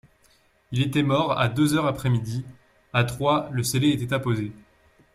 Il était mort à deux heures après midi ; à trois, le scellé était apposé.